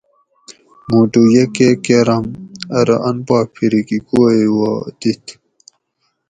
مُوٹو یہ کہ کۤرم ارو ان پا پھریکی کُووئ وا دِت